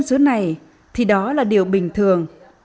gọi là kiểu bùn khoa